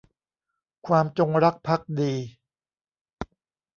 ความจงรักภักดี